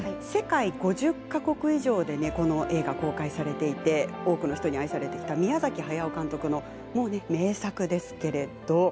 世界５０か国以上で映画が公開されていて多くの人に愛されてきた宮崎駿監督の名作です。